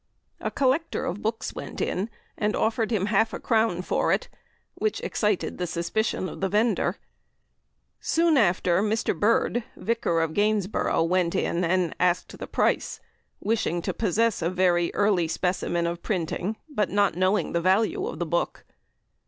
A collector of books went in and offered half a crown for it, which excited the suspicion of the vendor. Soon after Mr. Bird, Vicar of Gainsborough, went in and asked the price, wishing to possess a very early specimen of printing, but not knowing the value of the book.